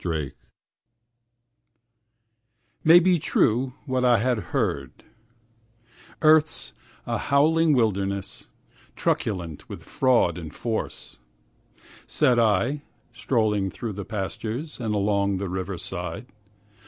BERRYING 'May be true what I had heard, Earth's a howling wilderness, Truculent with fraud and force,' Said I, strolling through the pastures, And along the river side.